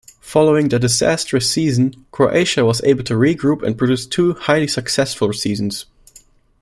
Following their disastrous season Croatia was able regroup and produce two highly successful seasons.